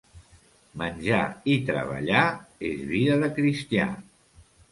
Menjar i treballar és vida de cristià.